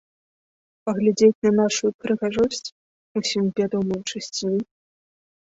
Паглядзець на нашую прыгажосць, усім вядомую чысціню?